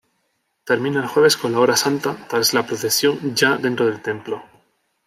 Termina el Jueves con la Hora Santa, tras la procesión ya dentro del templo.